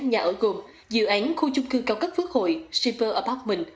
nhà ở gồm dự án khu chung cư cao cấp phước hội shiver apartment